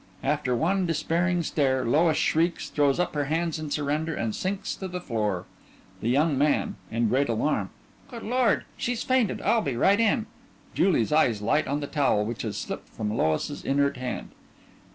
(After one despairing stare LOIS shrieks, throws up her hands in surrender, and sinks to the floor.) THE YOUNG MAN: (In great alarm) Good Lord! She's fainted! I'll be right in. (JULIE'S eyes light on the towel which has slipped from LOIS'S _inert hand.